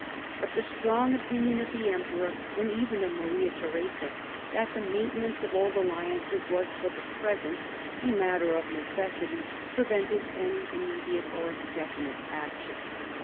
But the strong opinion of the emperor, and even of Maria Theresa, that the maintenance of old alliances was for the present a matter of necessity, prevented any immediate or definite action.